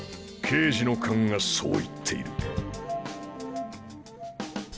刑事の勘がそう言っている。